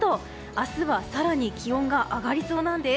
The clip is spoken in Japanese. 明日は更に気温が上がりそうなんです。